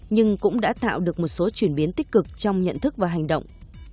nhưng cũng đã tạo được một số chuyển biến tích cực trong nhận thức và hành động